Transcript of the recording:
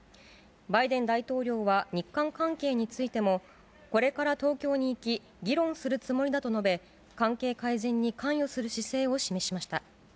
バイデン大統領は、日韓関係についても、これから東京に行き、議論するつもりだと述べ、関係改善に関与する姿勢を示しました。